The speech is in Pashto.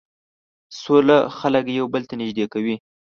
سوله خلک یو بل ته نژدې کوي.